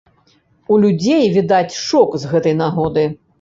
У людзей, відаць, шок з гэтай нагоды.